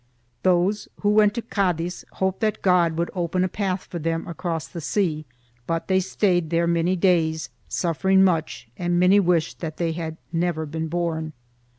Those who went to Cadiz hoped that God would open a path for them across the sea; but they stayed there many days, suffering much and many wished that they had never been born.